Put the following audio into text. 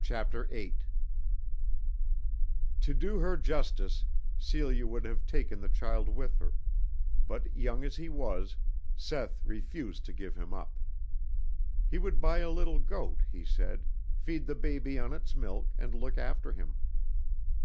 CHAPTER VIII. To do her justice, Celia would have taken the child with her; but young as he was, Seth refused to give him up. He would buy a little goat, he said, feed the baby on its milk and look after him.